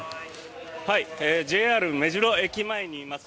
ＪＲ目白駅前にいます。